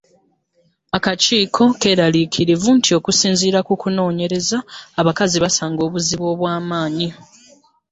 Akakiiko keeraliikirivu nti okusinziira ku kunoonyereza, abakazi basanga obuzibu obw’amaany.